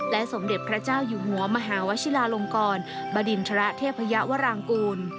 สมเด็จพระเจ้าอยู่หัวมหาวชิลาลงกรบดินทรเทพยวรางกูล